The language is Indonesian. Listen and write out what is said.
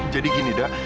jadi gini da